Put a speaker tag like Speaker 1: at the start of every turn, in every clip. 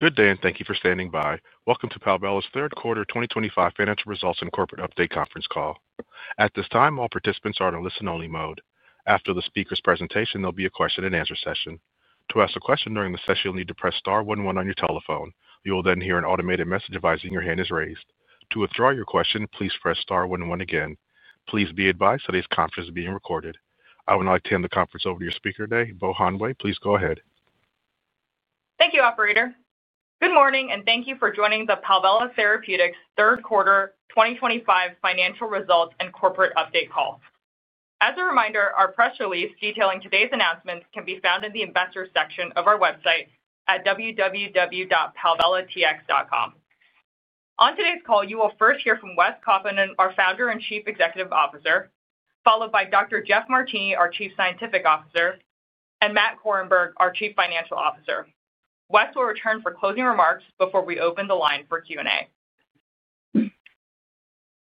Speaker 1: Good day, and thank you for standing by. Welcome to Palvella's third quarter 2025 financial results and corporate update conference call. At this time, all participants are in a listen-only mode. After the speaker's presentation, there'll be a question-and-answer session. To ask a question during the session, you'll need to press star 11 on your telephone. You will then hear an automated message advising your hand is raised. To withdraw your question, please press star 11 again. Please be advised today's conference is being recorded. I will now extend the conference over to your speaker today, Bohan Wei. Please go ahead.
Speaker 2: Thank you, Operator. Good morning, and thank you for joining the Palvella Therapeutics third quarter 2025 financial results and corporate update call. As a reminder, our press release detailing today's announcements can be found in the investor section of our website at www.palvellatx.com. On today's call, you will first hear from Wes Kaupinen, our Founder and Chief Executive Officer, followed by Dr. Jeff Martini, our Chief Scientific Officer, and Matt Korenberg, our Chief Financial Officer. Wes will return for closing remarks before we open the line for Q&A.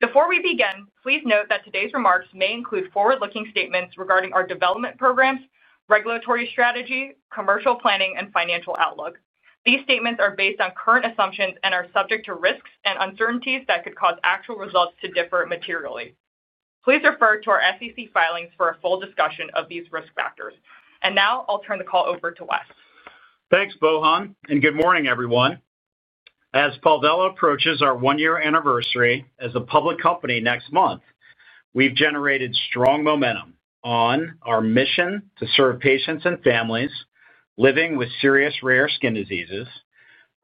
Speaker 2: Before we begin, please note that today's remarks may include forward-looking statements regarding our development programs, regulatory strategy, commercial planning, and financial outlook. These statements are based on current assumptions and are subject to risks and uncertainties that could cause actual results to differ materially. Please refer to our SEC filings for a full discussion of these risk factors. Now, I'll turn the call over to Wes.
Speaker 3: Thanks, Bohan, and good morning, everyone. As Palvella approaches our one-year anniversary as a public company next month, we've generated strong momentum on our mission to serve patients and families living with serious rare skin diseases,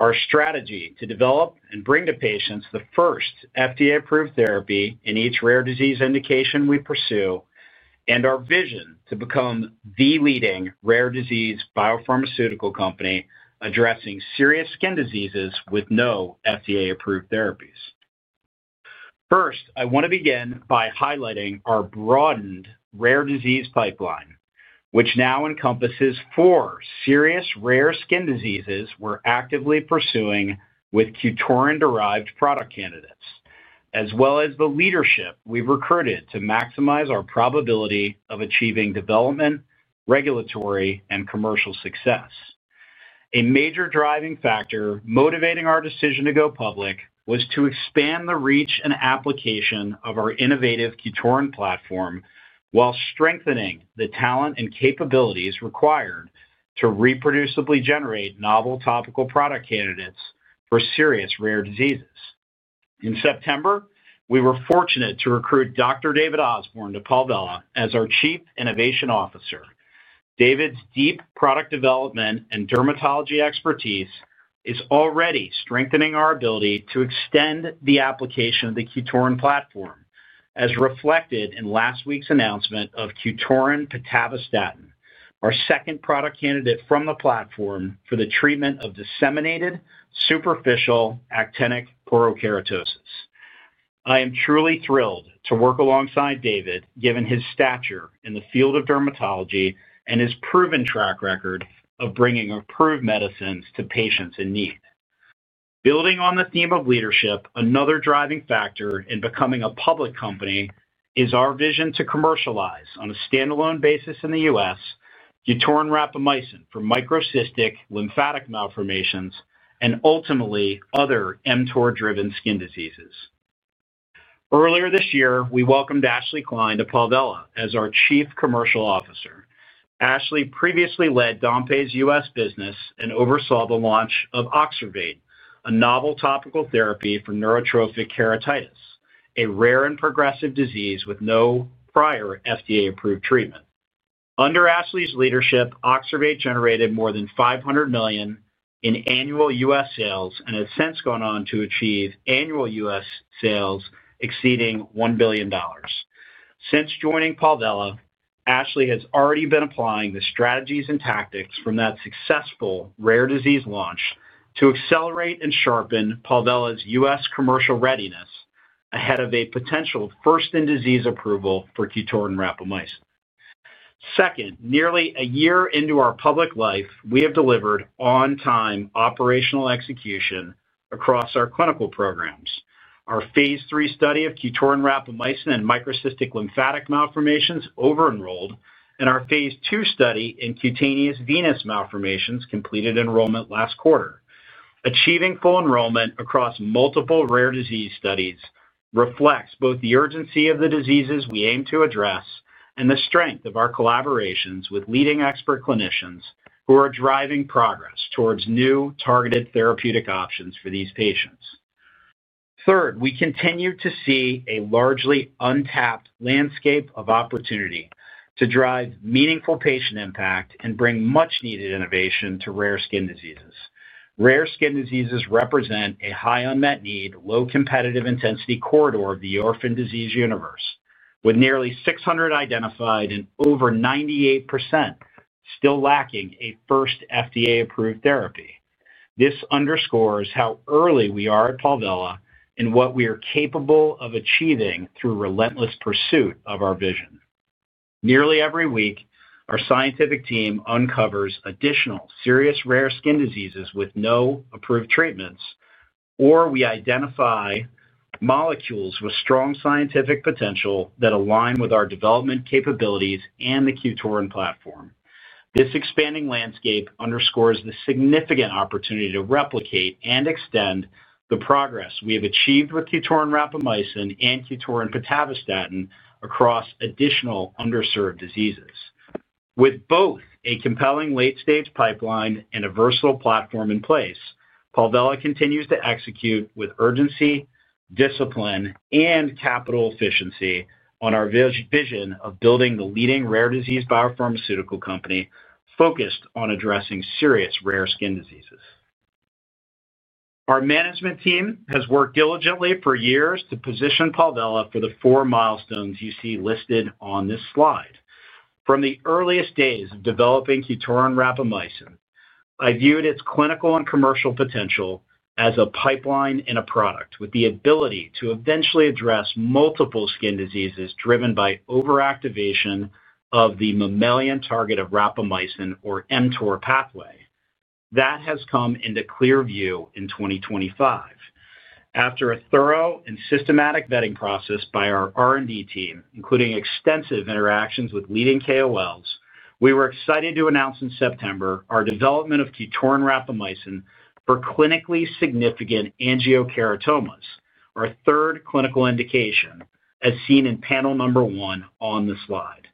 Speaker 3: our strategy to develop and bring to patients the first FDA-approved therapy in each rare disease indication we pursue, and our vision to become the leading rare disease biopharmaceutical company addressing serious skin diseases with no FDA-approved therapies. First, I want to begin by highlighting our broadened rare disease pipeline, which now encompasses four serious rare skin diseases we're actively pursuing with Qutoran-derived product candidates, as well as the leadership we've recruited to maximize our probability of achieving development, regulatory, and commercial success. A major driving factor motivating our decision to go public was to expand the reach and application of our innovative Qutoran platform while strengthening the talent and capabilities required to reproducibly generate novel topical product candidates for serious rare diseases. In September, we were fortunate to recruit Dr. David Osborne to Palvella as our Chief Innovation Officer. David's deep product development and dermatology expertise is already strengthening our ability to extend the application of the Qutoran platform, as reflected in last week's announcement of Qutoran Pentavastatin, our second product candidate from the platform for the treatment of disseminated superficial actinic porokeratosis. I am truly thrilled to work alongside David, given his stature in the field of dermatology and his proven track record of bringing approved medicines to patients in need. Building on the theme of leadership, another driving factor in becoming a public company is our vision to commercialize on a standalone basis in the U.S. Qutoran rapamycin for microcystic lymphatic malformations and ultimately other mTOR-driven skin diseases. Earlier this year, we welcomed Ashley Kline to Palvella as our Chief Commercial Officer. Ashley previously led Dompé's U.S. business and oversaw the launch of Oxervate, a novel topical therapy for neurotrophic keratitis, a rare and progressive disease with no prior FDA-approved treatment. Under Ashley's leadership, Oxervate generated more than $500 million in annual U.S. sales and has since gone on to achieve annual U.S. sales exceeding $1 billion. Since joining Palvella, Ashley has already been applying the strategies and tactics from that successful rare disease launch to accelerate and sharpen Palvella's U.S. commercial readiness ahead of a potential first-in-disease approval for Qutoran rapamycin. Second, nearly a year into our public life, we have delivered on-time operational execution across our clinical programs. Our phase three study of Qutoran rapamycin in microcystic lymphatic malformations over-enrolled, and our phase two study in cutaneous venous malformations completed enrollment last quarter. Achieving full enrollment across multiple rare disease studies reflects both the urgency of the diseases we aim to address and the strength of our collaborations with leading expert clinicians who are driving progress towards new targeted therapeutic options for these patients. Third, we continue to see a largely untapped landscape of opportunity to drive meaningful patient impact and bring much-needed innovation to rare skin diseases. Rare skin diseases represent a high unmet need, low competitive intensity corridor of the orphan disease universe, with nearly 600 identified and over 98% still lacking a first FDA-approved therapy. This underscores how early we are at Palvella and what we are capable of achieving through relentless pursuit of our vision. Nearly every week, our scientific team uncovers additional serious rare skin diseases with no approved treatments, or we identify molecules with strong scientific potential that align with our development capabilities and the Qutoran platform. This expanding landscape underscores the significant opportunity to replicate and extend the progress we have achieved with Qutoran rapamycin and Qutoran Pentavastatin across additional underserved diseases. With both a compelling late-stage pipeline and a versatile platform in place, Palvella continues to execute with urgency, discipline, and capital efficiency on our vision of building the leading rare disease biopharmaceutical company focused on addressing serious rare skin diseases. Our management team has worked diligently for years to position Palvella for the four milestones you see listed on this slide. From the earliest days of developing Qutoran rapamycin, I viewed its clinical and commercial potential as a pipeline and a product with the ability to eventually address multiple skin diseases driven by over-activation of the mammalian target of rapamycin, or mTOR, pathway. That has come into clear view in 2025. After a thorough and systematic vetting process by our R&D team, including extensive interactions with leading KOLs, we were excited to announce in September our development of Qutoran rapamycin for clinically significant angiocheratomas, our third clinical indication, as seen in panel number one on the slide.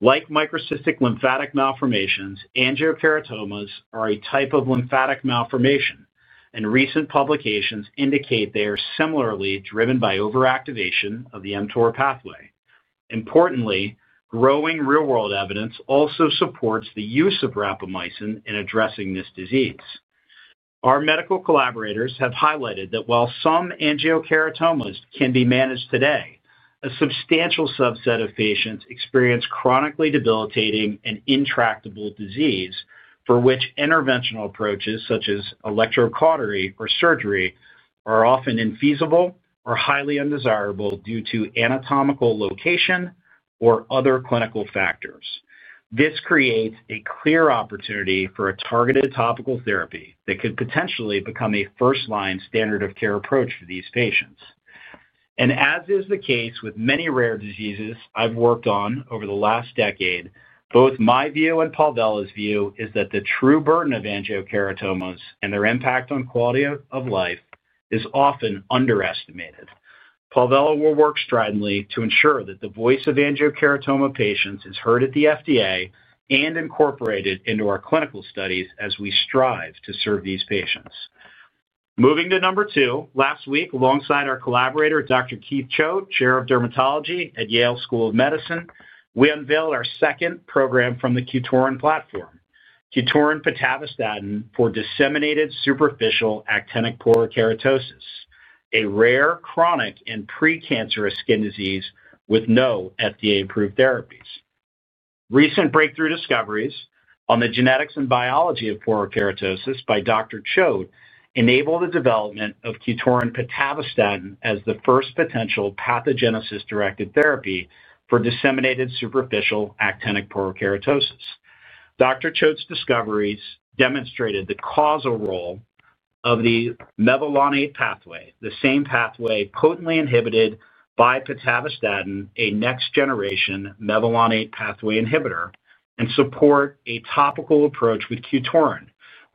Speaker 3: Like microcystic lymphatic malformations, angiocheratomas are a type of lymphatic malformation, and recent publications indicate they are similarly driven by over-activation of the mTOR pathway. Importantly, growing real-world evidence also supports the use of rapamycin in addressing this disease. Our medical collaborators have highlighted that while some angiocheratomas can be managed today, a substantial subset of patients experience chronically debilitating and intractable disease for which interventional approaches such as electrocautery or surgery are often infeasible or highly undesirable due to anatomical location or other clinical factors. This creates a clear opportunity for a targeted topical therapy that could potentially become a first-line standard of care approach for these patients. As is the case with many rare diseases I've worked on over the last decade, both my view and Palvella's view is that the true burden of angiocheratomas and their impact on quality of life is often underestimated. Palvella will work stridently to ensure that the voice of angiocheratoma patients is heard at the FDA and incorporated into our clinical studies as we strive to serve these patients. Moving to number two, last week, alongside our collaborator, Dr. Keith Choate, Chair of Dermatology at Yale School of Medicine, we unveiled our second program from the Qutoran platform, Qutoran Pentavastatin for disseminated superficial actinic porokeratosis, a rare, chronic, and precancerous skin disease with no FDA-approved therapies. Recent breakthrough discoveries on the genetics and biology of porokeratosis by Dr. Choate enabled the development of Qutoran Pentavastatin as the first potential pathogenesis-directed therapy for disseminated superficial actinic porokeratosis. Dr. Choate's discoveries demonstrated the causal role of the mevalonate pathway, the same pathway potently inhibited by Pentavastatin, a next-generation mevalonate pathway inhibitor, and support a topical approach with Qutoran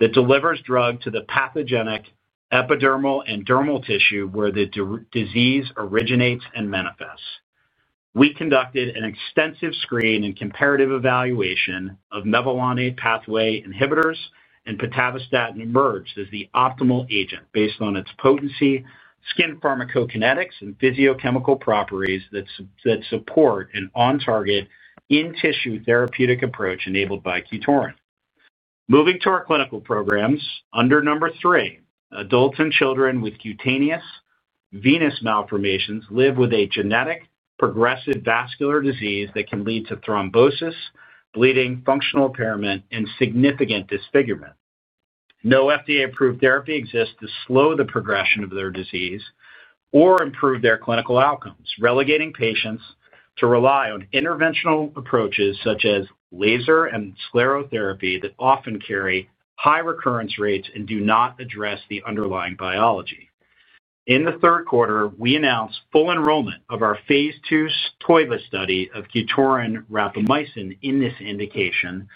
Speaker 3: that delivers drug to the pathogenic epidermal and dermal tissue where the disease originates and manifests. We conducted an extensive screen and comparative evaluation of mevalonate pathway inhibitors, and pitavastatin emerged as the optimal agent based on its potency, skin pharmacokinetics, and physicochemical properties that support an on-target, in-tissue therapeutic approach enabled by Qutoran. Moving to our clinical programs, under number three, adults and children with cutaneous venous malformations live with a genetic progressive vascular disease that can lead to thrombosis, bleeding, functional impairment, and significant disfigurement. No FDA-approved therapy exists to slow the progression of their disease or improve their clinical outcomes, relegating patients to rely on interventional approaches such as laser and sclerotherapy that often carry high recurrence rates and do not address the underlying biology. In the third quarter, we announced full enrollment of our phase two TOIVA study of Qutoran rapamycin in this indication,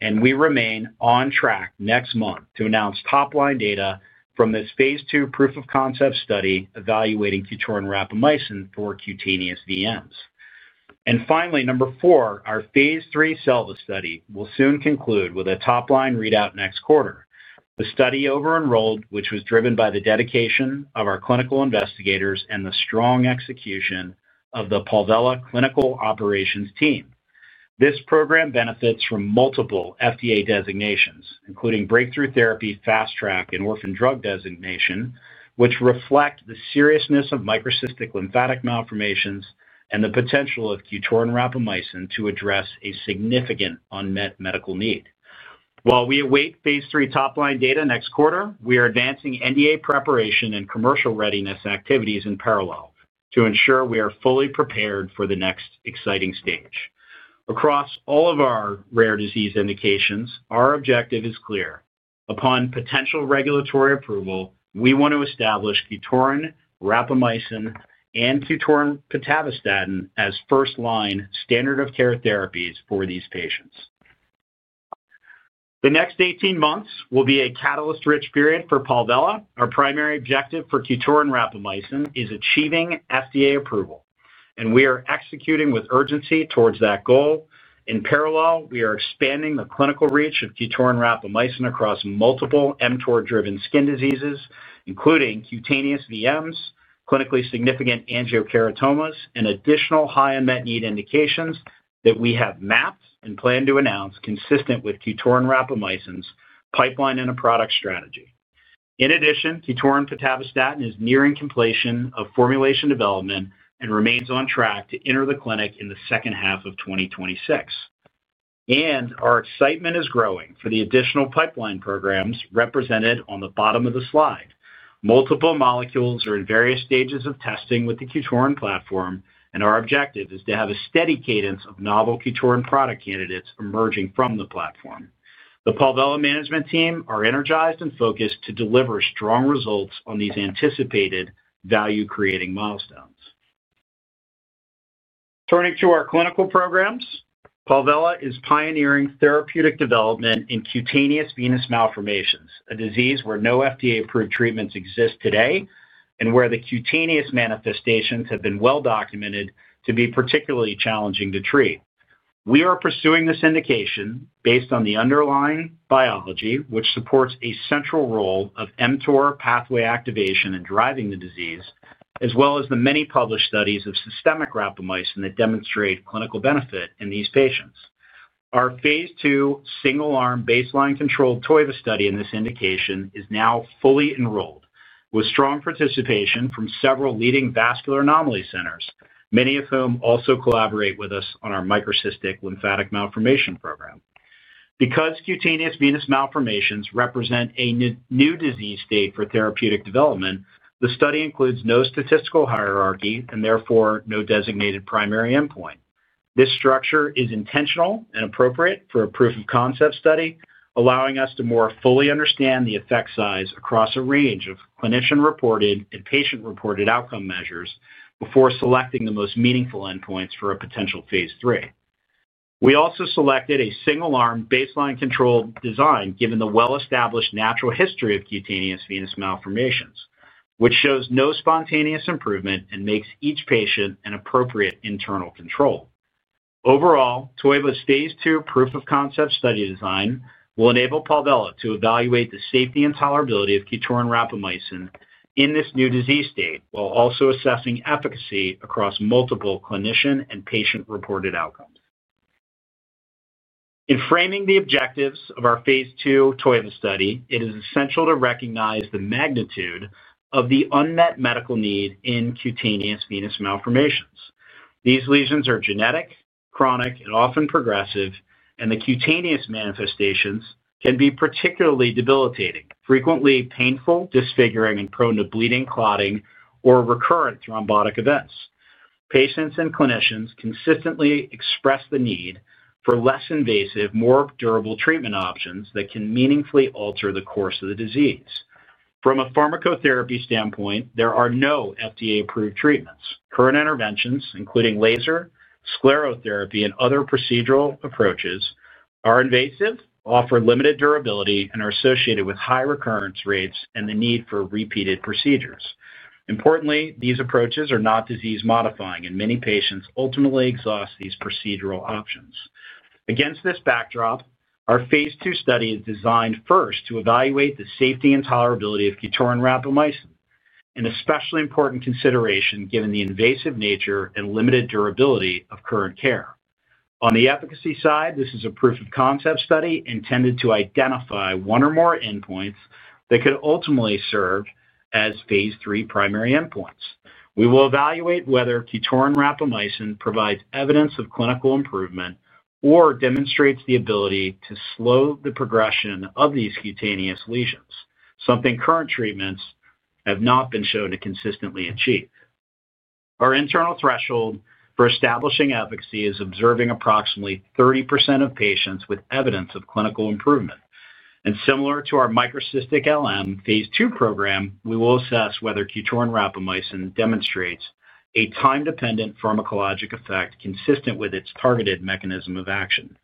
Speaker 3: and we remain on track next month to announce top-line data from this phase two proof-of-concept study evaluating Qutoran rapamycin for cutaneous venous malformations. Finally, number four, our phase three SELVA study will soon conclude with a top-line readout next quarter. The study over-enrolled, which was driven by the dedication of our clinical investigators and the strong execution of the Palvella Clinical Operations team. This program benefits from multiple FDA designations, including breakthrough therapy, fast track, and orphan drug designation, which reflect the seriousness of microcystic lymphatic malformations and the potential of Qutoran rapamycin to address a significant unmet medical need. While we await phase three top-line data next quarter, we are advancing NDA preparation and commercial readiness activities in parallel to ensure we are fully prepared for the next exciting stage. Across all of our rare disease indications, our objective is clear. Upon potential regulatory approval, we want to establish Qutoran rapamycin and Qutoran Pentavastatin as first-line standard of care therapies for these patients. The next 18 months will be a catalyst-rich period for Palvella. Our primary objective for Qutoran rapamycin is achieving FDA approval, and we are executing with urgency towards that goal. In parallel, we are expanding the clinical reach of Qutoran rapamycin across multiple mTOR-driven skin diseases, including cutaneous venous malformations, clinically significant angiocheratomas, and additional high unmet need indications that we have mapped and plan to announce consistent with Qutoran rapamycin's pipeline and a product strategy. In addition, Qutoran Pentavastatin is nearing completion of formulation development and remains on track to enter the clinic in the second half of 2026. Our excitement is growing for the additional pipeline programs represented on the bottom of the slide. Multiple molecules are in various stages of testing with the Qutoran platform, and our objective is to have a steady cadence of novel Qutoran product candidates emerging from the platform. The Palvella management team are energized and focused to deliver strong results on these anticipated value-creating milestones. Turning to our clinical programs, Palvella is pioneering therapeutic development in cutaneous venous malformations, a disease where no FDA-approved treatments exist today and where the cutaneous manifestations have been well documented to be particularly challenging to treat. We are pursuing this indication based on the underlying biology, which supports a central role of mTOR pathway activation in driving the disease, as well as the many published studies of systemic rapamycin that demonstrate clinical benefit in these patients. Our phase two single-arm baseline control TOIVA study in this indication is now fully enrolled, with strong participation from several leading vascular anomaly centers, many of whom also collaborate with us on our microcystic lymphatic malformation program. Because cutaneous venous malformations represent a new disease state for therapeutic development, the study includes no statistical hierarchy and therefore no designated primary endpoint. This structure is intentional and appropriate for a proof-of-concept study, allowing us to more fully understand the effect size across a range of clinician-reported and patient-reported outcome measures before selecting the most meaningful endpoints for a potential phase three. We also selected a single-arm baseline control design given the well-established natural history of cutaneous venous malformations, which shows no spontaneous improvement and makes each patient an appropriate internal control. Overall, TOIVA's phase two proof-of-concept study design will enable Palvella to evaluate the safety and tolerability of Qutoran rapamycin in this new disease state while also assessing efficacy across multiple clinician and patient-reported outcomes. In framing the objectives of our phase two TOIVA study, it is essential to recognize the magnitude of the unmet medical need in cutaneous venous malformations. These lesions are genetic, chronic, and often progressive, and the cutaneous manifestations can be particularly debilitating, frequently painful, disfiguring, and prone to bleeding, clotting, or recurrent thrombotic events. Patients and clinicians consistently express the need for less invasive, more durable treatment options that can meaningfully alter the course of the disease. From a pharmacotherapy standpoint, there are no FDA-approved treatments. Current interventions, including laser, sclerotherapy, and other procedural approaches, are invasive, offer limited durability, and are associated with high recurrence rates and the need for repeated procedures. Importantly, these approaches are not disease-modifying, and many patients ultimately exhaust these procedural options. Against this backdrop, our phase two study is designed first to evaluate the safety and tolerability of Qutoran rapamycin, an especially important consideration given the invasive nature and limited durability of current care. On the efficacy side, this is a proof-of-concept study intended to identify one or more endpoints that could ultimately serve as phase three primary endpoints. We will evaluate whether Qutoran rapamycin provides evidence of clinical improvement or demonstrates the ability to slow the progression of these cutaneous lesions, something current treatments have not been shown to consistently achieve. Our internal threshold for establishing efficacy is observing approximately 30% of patients with evidence of clinical improvement. Similar to our microcystic LM phase two program, we will assess whether Qutoran rapamycin demonstrates a time-dependent pharmacologic effect consistent with its targeted mechanism of action.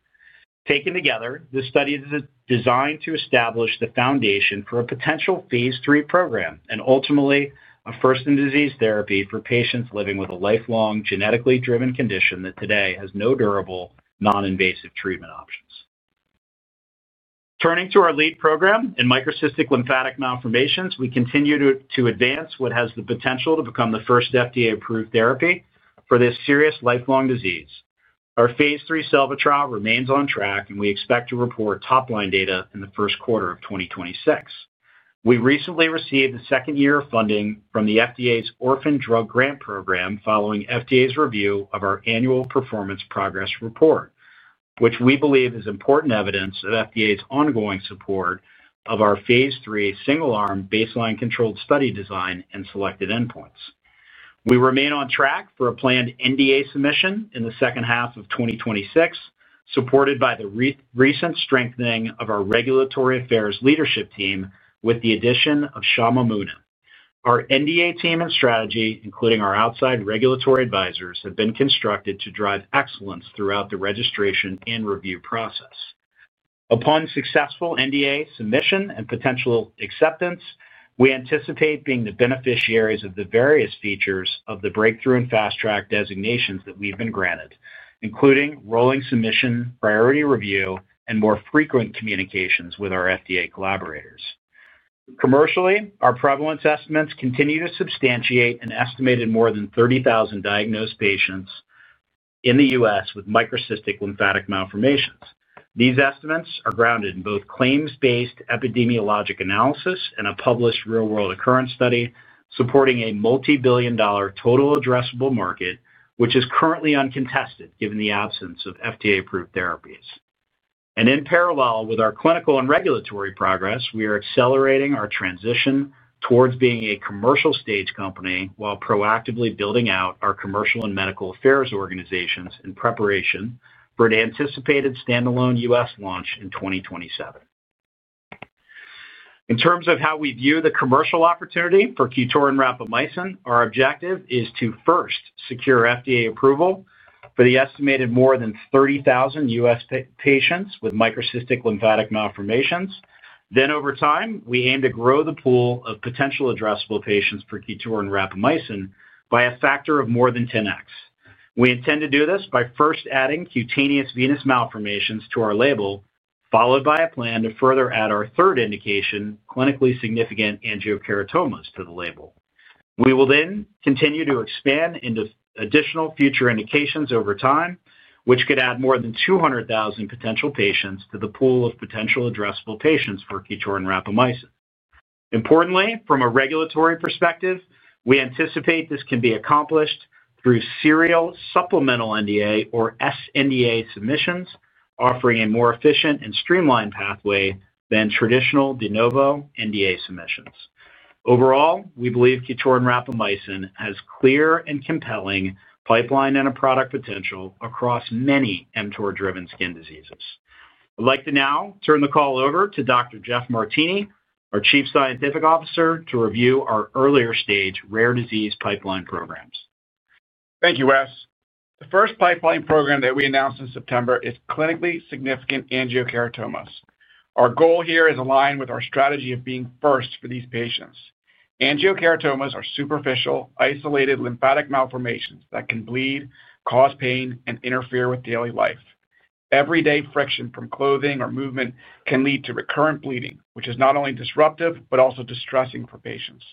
Speaker 3: Taken together, this study is designed to establish the foundation for a potential phase three program and ultimately a first-in-disease therapy for patients living with a lifelong genetically driven condition that today has no durable non-invasive treatment options. Turning to our lead program in microcystic lymphatic malformations, we continue to advance what has the potential to become the first FDA-approved therapy for this serious lifelong disease. Our phase three SELVA trial remains on track, and we expect to report top-line data in the first quarter of 2026. We recently received the second year of funding from the FDA's Orphan Drug Grant Program following FDA's review of our annual performance progress report, which we believe is important evidence of FDA's ongoing support of our phase three single-arm baseline controlled study design and selected endpoints. We remain on track for a planned NDA submission in the second half of 2026, supported by the recent strengthening of our regulatory affairs leadership team with the addition of Shawmamuna. Our NDA team and strategy, including our outside regulatory advisors, have been constructed to drive excellence throughout the registration and review process. Upon successful NDA submission and potential acceptance, we anticipate being the beneficiaries of the various features of the breakthrough and fast track designations that we've been granted, including rolling submission, priority review, and more frequent communications with our FDA collaborators. Commercially, our prevalence estimates continue to substantiate an estimated more than 30,000 diagnosed patients in the U.S. with microcystic lymphatic malformations. These estimates are grounded in both claims-based epidemiologic analysis and a published real-world occurrence study supporting a multi-billion dollar total addressable market, which is currently uncontested given the absence of FDA-approved therapies. In parallel with our clinical and regulatory progress, we are accelerating our transition towards being a commercial stage company while proactively building out our commercial and medical affairs organizations in preparation for an anticipated standalone U.S. launch in 2027. In terms of how we view the commercial opportunity for Qutoran rapamycin, our objective is to first secure FDA approval for the estimated more than 30,000 U.S. patients with microcystic lymphatic malformations. Over time, we aim to grow the pool of potential addressable patients for Qutoran rapamycin by a factor of more than 10x. We intend to do this by first adding cutaneous venous malformations to our label, followed by a plan to further add our third indication, clinically significant angiocheratomas, to the label. We will then continue to expand into additional future indications over time, which could add more than 200,000 potential patients to the pool of potential addressable patients for Qutoran rapamycin. Importantly, from a regulatory perspective, we anticipate this can be accomplished through serial supplemental NDA or SNDA submissions, offering a more efficient and streamlined pathway than traditional de novo NDA submissions. Overall, we believe Qutoran rapamycin has clear and compelling pipeline and a product potential across many mTOR-driven skin diseases. I'd like to now turn the call over to Dr. Jeff Martini, our Chief Scientific Officer, to review our earlier stage rare disease pipeline programs.
Speaker 4: Thank you, Wes. The first pipeline program that we announced in September is clinically significant angiocheratomas. Our goal here is aligned with our strategy of being first for these patients. Angiocheratomas are superficial, isolated lymphatic malformations that can bleed, cause pain, and interfere with daily life. Everyday friction from clothing or movement can lead to recurrent bleeding, which is not only disruptive but also distressing for patients.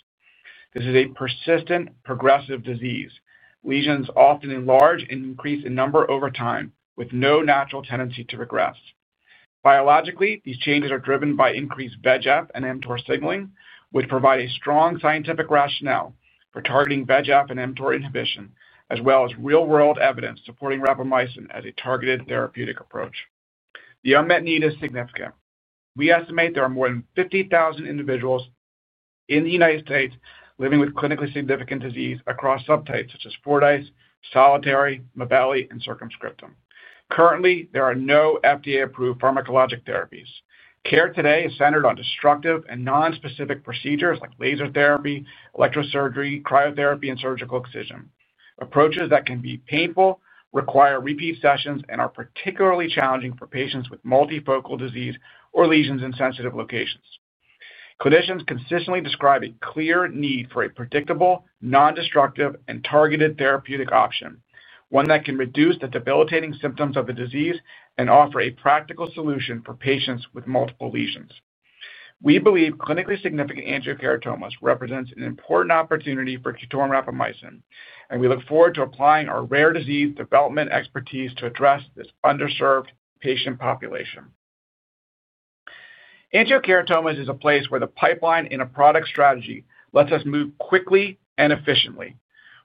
Speaker 4: This is a persistent, progressive disease. Lesions often enlarge and increase in number over time, with no natural tendency to regress. Biologically, these changes are driven by increased VEGF and mTOR signaling, which provide a strong scientific rationale for targeting VEGF and mTOR inhibition, as well as real-world evidence supporting rapamycin as a targeted therapeutic approach. The unmet need is significant. We estimate there are more than 50,000 individuals in the United States living with clinically significant disease across subtypes such as Fordyce, solitary, Mibelli, and circumscriptum. Currently, there are no FDA-approved pharmacologic therapies. Care today is centered on destructive and non-specific procedures like laser therapy, electrosurgery, cryotherapy, and surgical excision, approaches that can be painful, require repeat sessions, and are particularly challenging for patients with multifocal disease or lesions in sensitive locations. Clinicians consistently describe a clear need for a predictable, non-destructive, and targeted therapeutic option, one that can reduce the debilitating symptoms of the disease and offer a practical solution for patients with multiple lesions. We believe clinically significant angiocheratomas represents an important opportunity for Qutoran rapamycin, and we look forward to applying our rare disease development expertise to address this underserved patient population. Angiocheratomas is a place where the pipeline and a product strategy lets us move quickly and efficiently.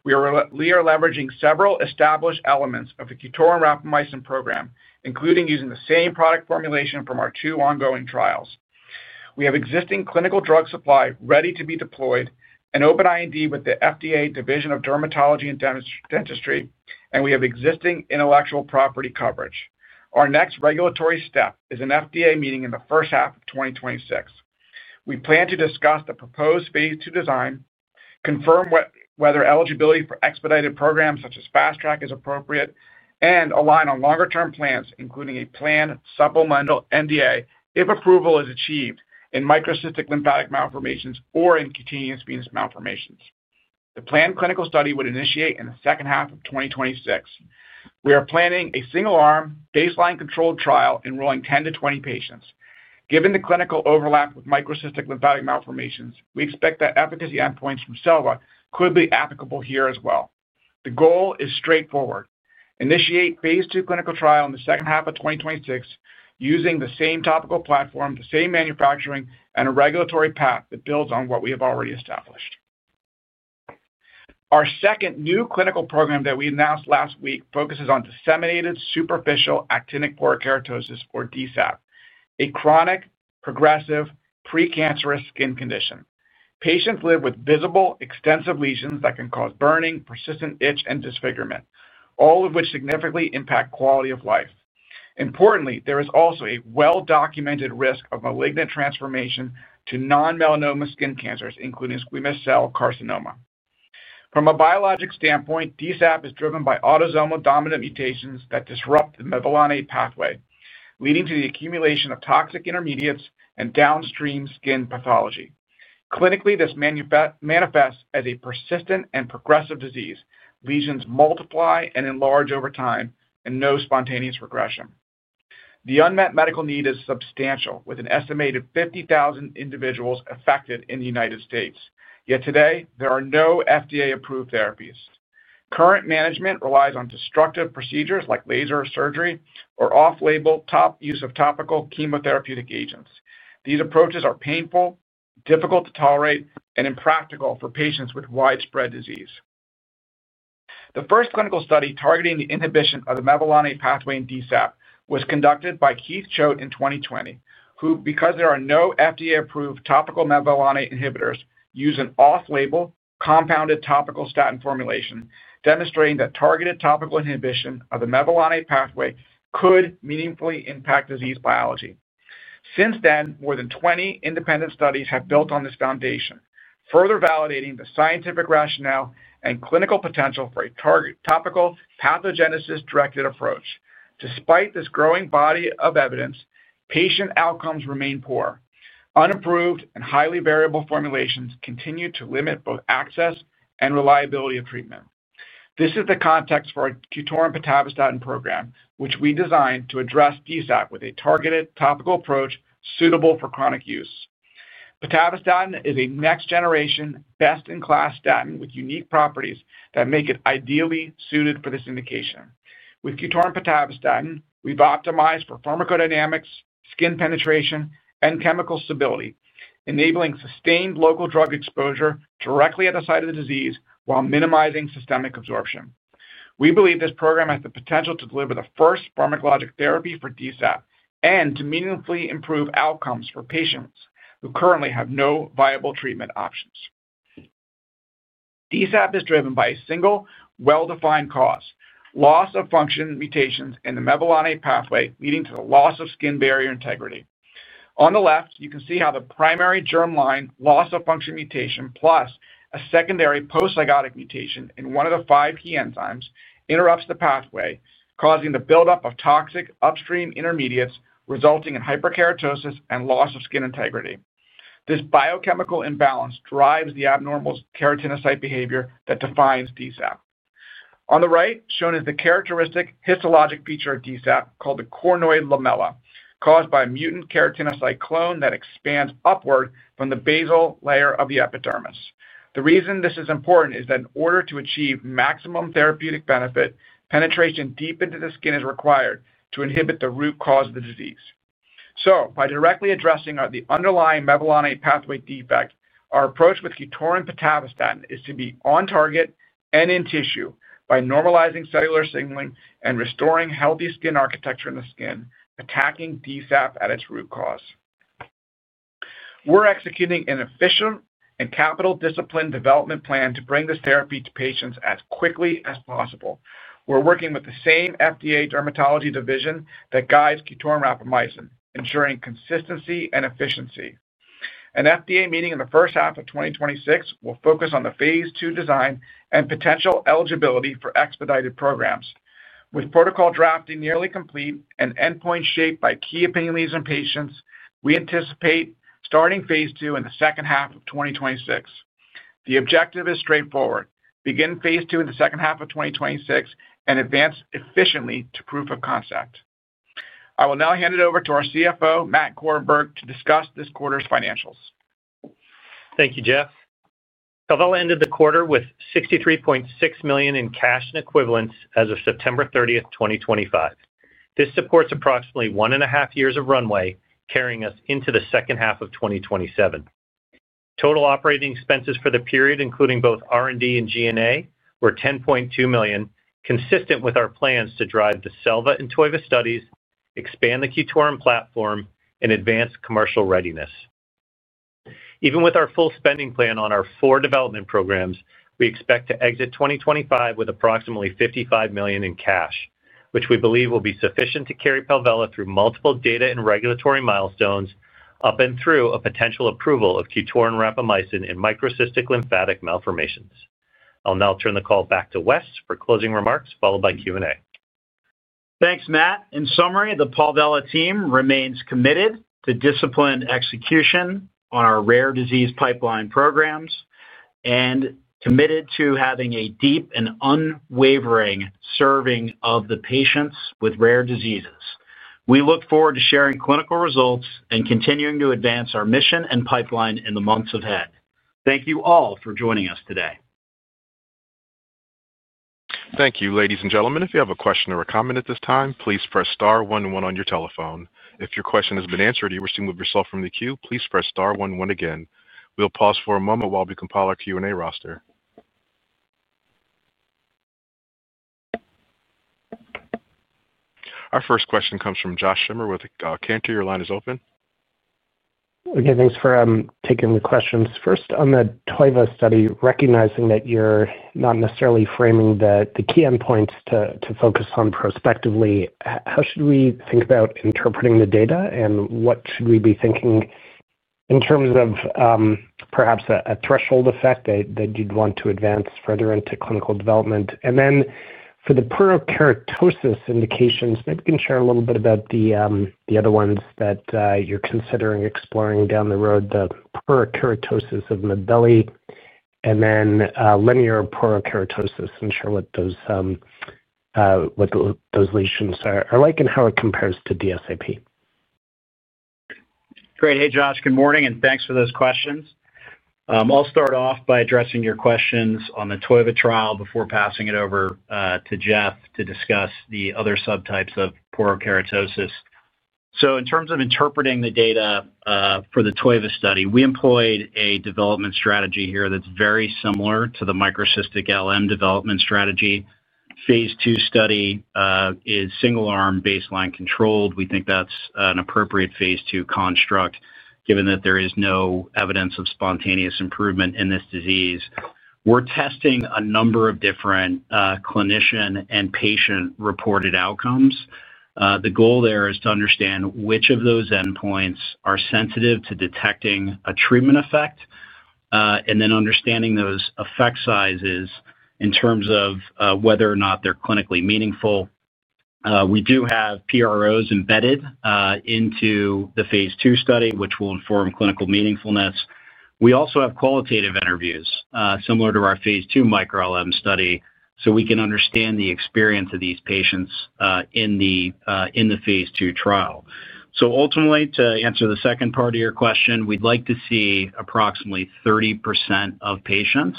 Speaker 4: We are leveraging several established elements of the Qutoran rapamycin program, including using the same product formulation from our two ongoing trials. We have existing clinical drug supply ready to be deployed, an open IND with the FDA Division of Dermatology and Dentistry, and we have existing intellectual property coverage. Our next regulatory step is an FDA meeting in the first half of 2026. We plan to discuss the proposed phase two design, confirm whether eligibility for expedited programs such as fast track is appropriate, and align on longer-term plans, including a planned supplemental NDA if approval is achieved in microcystic lymphatic malformations or in cutaneous venous malformations. The planned clinical study would initiate in the second half of 2026. We are planning a single-arm baseline controlled trial enrolling 10-20 patients. Given the clinical overlap with microcystic lymphatic malformations, we expect that efficacy endpoints from SELVA could be applicable here as well. The goal is straightforward: initiate phase two clinical trial in the second half of 2026 using the same topical platform, the same manufacturing, and a regulatory path that builds on what we have already established. Our second new clinical program that we announced last week focuses on disseminated superficial actinic porokeratosis, or DSAP, a chronic, progressive, precancerous skin condition. Patients live with visible, extensive lesions that can cause burning, persistent itch, and disfigurement, all of which significantly impact quality of life. Importantly, there is also a well-documented risk of malignant transformation to non-melanoma skin cancers, including squamous cell carcinoma. From a biologic standpoint, DSAP is driven by autosomal dominant mutations that disrupt the mevalonate pathway, leading to the accumulation of toxic intermediates and downstream skin pathology. Clinically, this manifests as a persistent and progressive disease. Lesions multiply and enlarge over time and no spontaneous regression. The unmet medical need is substantial, with an estimated 50,000 individuals affected in the United States. Yet today, there are no FDA-approved therapies. Current management relies on destructive procedures like laser surgery or off-label use of topical chemotherapeutic agents. These approaches are painful, difficult to tolerate, and impractical for patients with widespread disease. The first clinical study targeting the inhibition of the mevalonate pathway in DSAP was conducted by Keith Choate in 2020, who, because there are no FDA-approved topical mevalonate inhibitors, used an off-label compounded topical statin formulation, demonstrating that targeted topical inhibition of the mevalonate pathway could meaningfully impact disease biology. Since then, more than 20 independent studies have built on this foundation, further validating the scientific rationale and clinical potential for a targeted topical pathogenesis-directed approach. Despite this growing body of evidence, patient outcomes remain poor. Unapproved and highly variable formulations continue to limit both access and reliability of treatment. This is the context for our Qutoran pitavastatin program, which we designed to address DSAP with a targeted topical approach suitable for chronic use. Pitavastatin is a next-generation, best-in-class statin with unique properties that make it ideally suited for this indication. With Qutoran pitavastatin, we've optimized for pharmacodynamics, skin penetration, and chemical stability, enabling sustained local drug exposure directly at the site of the disease while minimizing systemic absorption. We believe this program has the potential to deliver the first pharmacologic therapy for DSAP and to meaningfully improve outcomes for patients who currently have no viable treatment options. DSAP is driven by a single, well-defined cause: loss of function mutations in the mevalonate pathway, leading to the loss of skin barrier integrity. On the left, you can see how the primary germline loss of function mutation plus a secondary post-zygotic mutation in one of the five key enzymes interrupts the pathway, causing the buildup of toxic upstream intermediates, resulting in hyperkeratosis and loss of skin integrity. This biochemical imbalance drives the abnormal keratinocyte behavior that defines DSAP. On the right, shown is the characteristic histologic feature of DSAP called the cornoid lamella, caused by a mutant keratinocyte clone that expands upward from the basal layer of the epidermis. The reason this is important is that in order to achieve maximum therapeutic benefit, penetration deep into the skin is required to inhibit the root cause of the disease. By directly addressing the underlying mevalonate pathway defect, our approach with Qutoran pitavastatin is to be on target and in tissue by normalizing cellular signaling and restoring healthy skin architecture in the skin, attacking DSAP at its root cause. We're executing an efficient and capital-disciplined development plan to bring this therapy to patients as quickly as possible. We're working with the same FDA Dermatology Division that guides Qutoran rapamycin, ensuring consistency and efficiency. An FDA meeting in the first half of 2026 will focus on the phase two design and potential eligibility for expedited programs. With protocol drafting nearly complete and endpoints shaped by key opinion leaders and patients, we anticipate starting phase two in the second half of 2026. The objective is straightforward: begin phase two in the second half of 2026 and advance efficiently to proof of concept. I will now hand it over to our CFO, Matt Korenberg, to discuss this quarter's financials.
Speaker 5: Thank you, Jeff. Palvella ended the quarter with $63.6 million in cash and equivalents as of September 30, 2025. This supports approximately one and a half years of runway carrying us into the second half of 2027. Total operating expenses for the period, including both R&D and G&A, were $10.2 million, consistent with our plans to drive the SELVA and TOIVA studies, expand the Qutoran platform, and advance commercial readiness. Even with our full spending plan on our four development programs, we expect to exit 2025 with approximately $55 million in cash, which we believe will be sufficient to carry Palvella through multiple data and regulatory milestones up and through a potential approval of Qutoran rapamycin in microcystic lymphatic malformations. I'll now turn the call back to Wes for closing remarks, followed by Q&A.
Speaker 3: Thanks, Matt. In summary, the Palvella team remains committed to disciplined execution on our rare disease pipeline programs and committed to having a deep and unwavering serving of the patients with rare diseases. We look forward to sharing clinical results and continuing to advance our mission and pipeline in the months ahead. Thank you all for joining us today.
Speaker 1: Thank you, ladies and gentlemen. If you have a question or a comment at this time, please press star 11 on your telephone. If your question has been answered or you wish to move yourself from the queue, please press star 11 again. We'll pause for a moment while we compile our Q&A roster. Our first question comes from Josh Schimmer with Canaccord Genuity, your line is open. Okay, thanks for taking the questions.
Speaker 3: First, on the TOIVA study, recognizing that you're not necessarily framing the key endpoints to focus on prospectively, how should we think about interpreting the data and what should we be thinking in terms of perhaps a threshold effect that you'd want to advance further into clinical development? For the porokeratosis indications, maybe you can share a little bit about the other ones that you're considering exploring down the road, the porokeratosis of Mibelli, and then linear porokeratosis, and share what those lesions are like and how it compares to DSAP. Great. Hey, Josh, good morning, and thanks for those questions. I'll start off by addressing your questions on the TOIVA trial before passing it over to Jeff to discuss the other subtypes of porokeratosis.
Speaker 4: In terms of interpreting the data for the TOIVA study, we employed a development strategy here that's very similar to the microcystic LM development strategy. The phase two study is single-arm baseline controlled. We think that's an appropriate phase two construct, given that there is no evidence of spontaneous improvement in this disease. We're testing a number of different clinician and patient reported outcomes. The goal there is to understand which of those endpoints are sensitive to detecting a treatment effect and then understanding those effect sizes in terms of whether or not they're clinically meaningful. We do have PROs embedded into the phase two study, which will inform clinical meaningfulness. We also have qualitative interviews similar to our phase two microLM study, so we can understand the experience of these patients in the phase two trial. Ultimately, to answer the second part of your question, we'd like to see approximately 30% of patients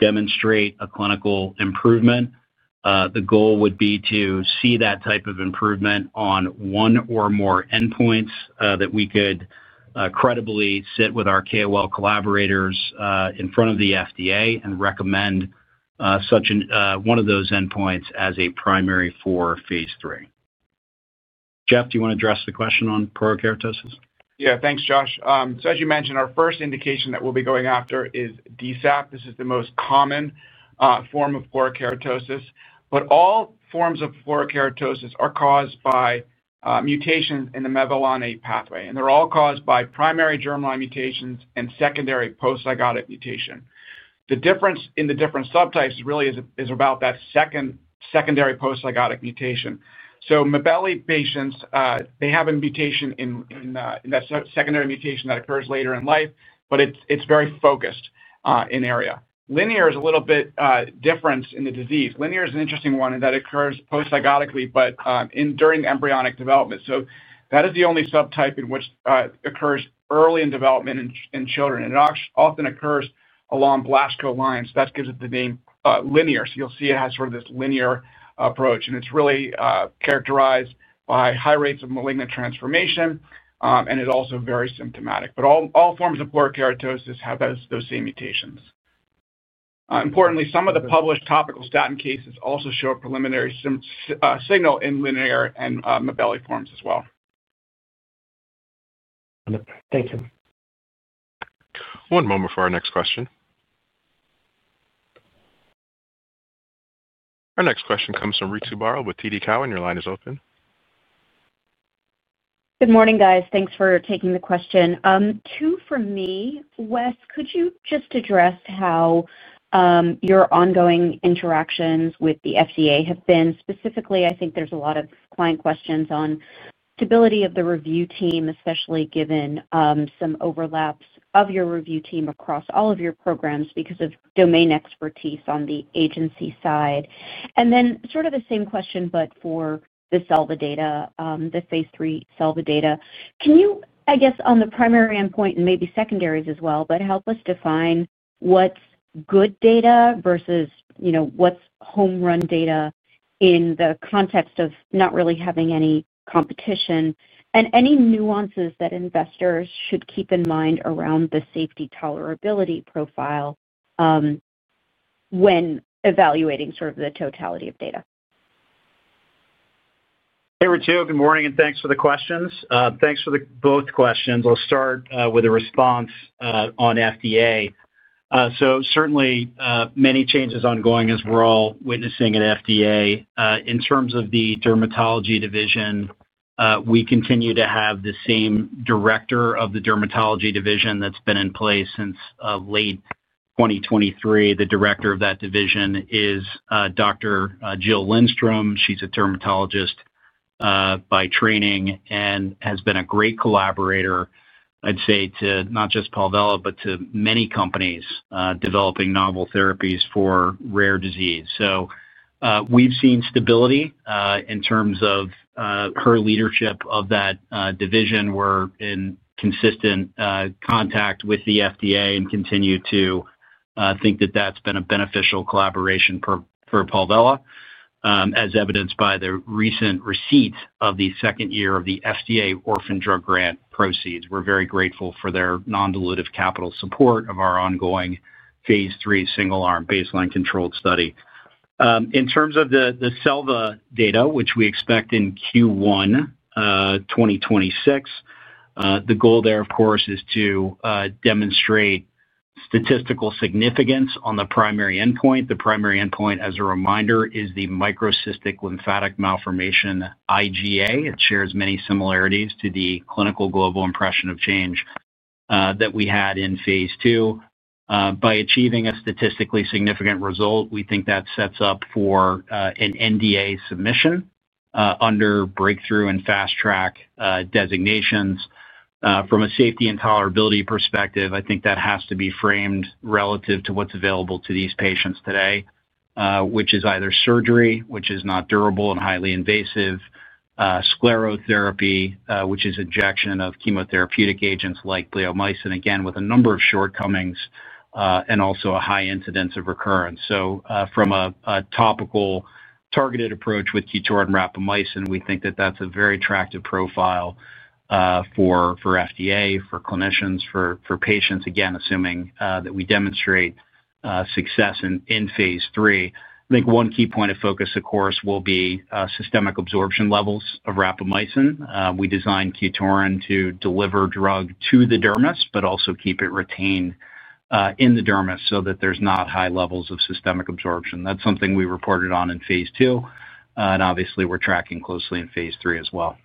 Speaker 4: demonstrate a clinical improvement. The goal would be to see that type of improvement on one or more endpoints that we could credibly sit with our KOL collaborators in front of the FDA and recommend such one of those endpoints as a primary for phase three. Jeff, do you want to address the question on porokeratosis? Yeah, thanks, Josh. As you mentioned, our first indication that we'll be going after is DSAP. This is the most common form of porokeratosis, but all forms of porokeratosis are caused by mutations in the mevalonate pathway, and they're all caused by primary germline mutations and secondary post-zygotic mutation. The difference in the different subtypes really is about that secondary post-zygotic mutation. Mevalli patients, they have a mutation in that secondary mutation that occurs later in life, but it's very focused in area. Linear is a little bit different in the disease. Linear is an interesting one in that it occurs post-zygotically, but during embryonic development. That is the only subtype in which it occurs early in development in children, and it often occurs along Blaschko lines. That gives it the name linear. You'll see it has sort of this linear approach, and it's really characterized by high rates of malignant transformation, and it's also very symptomatic. All forms of porokeratosis have those same mutations. Importantly, some of the published topical statin cases also show a preliminary signal in linear and Mevalli forms as well.
Speaker 6: Thank you.
Speaker 1: One moment for our next question. Our next question comes from Ritu Baral with TD Cowen. Your line is open.
Speaker 7: Good morning, guys. Thanks for taking the question. Two for me. Wes, could you just address how your ongoing interactions with the FDA have been? Specifically, I think there is a lot of client questions on stability of the review team, especially given some overlaps of your review team across all of your programs because of domain expertise on the agency side. Then sort of the same question, but for the SELVA data, the phase three SELVA data. Can you, I guess, on the primary endpoint and maybe secondaries as well, but help us define what is good data versus what is home run data in the context of not really having any competition and any nuances that investors should keep in mind around the safety tolerability profile when evaluating sort of the totality of data?
Speaker 3: Hey, Ritu, good morning, and thanks for the questions. Thanks for both questions. I'll start with a response on FDA. Certainly, many changes ongoing as we're all witnessing at FDA. In terms of the Dermatology Division, we continue to have the same Director of the Dermatology Division that's been in place since late 2023. The Director of that division is Dr. Jill Lindstrom. She's a dermatologist by training and has been a great collaborator, I'd say, to not just Palvella, but to many companies developing novel therapies for rare disease. We've seen stability in terms of her leadership of that division. We're in consistent contact with the FDA and continue to think that that's been a beneficial collaboration for Palvella, as evidenced by the recent receipt of the second year of the FDA orphan drug grant proceeds. We're very grateful for their non-dilutive capital support of our ongoing phase three single-arm baseline controlled study. In terms of the SELVA data, which we expect in Q1 2026, the goal there, of course, is to demonstrate statistical significance on the primary endpoint. The primary endpoint, as a reminder, is the microcystic lymphatic malformation IGA. It shares many similarities to the clinical global impression of change that we had in phase two. By achieving a statistically significant result, we think that sets up for an NDA submission under breakthrough and fast track designations. From a safety and tolerability perspective, I think that has to be framed relative to what's available to these patients today, which is either surgery, which is not durable and highly invasive, sclerotherapy, which is injection of chemotherapeutic agents like gliomycin, again, with a number of shortcomings and also a high incidence of recurrence. From a topical targeted approach with Qutoran rapamycin, we think that that's a very attractive profile for FDA, for clinicians, for patients, again, assuming that we demonstrate success in phase three. I think one key point of focus, of course, will be systemic absorption levels of rapamycin. We design Qutoran to deliver drug to the dermis, but also keep it retained in the dermis so that there's not high levels of systemic absorption. That's something we reported on in phase two, and obviously, we're tracking closely in phase three as well.